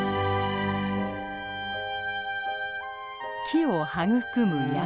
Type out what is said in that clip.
木を育む山。